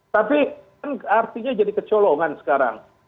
tapi kan artinya jadi kecolongan sekarang